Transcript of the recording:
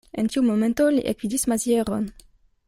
En tiu momento li ekvidis Mazieron.